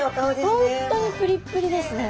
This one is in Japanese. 本当にプリプリですね。